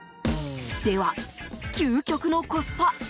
では、究極のコスパ。